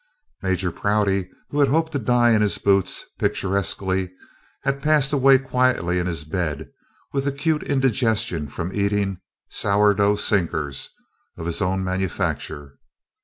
Major Prouty, who had hoped to die in his boots, picturesquely, had passed away quietly in his bed with acute indigestion from eating sour dough sinkers of his own manufacture.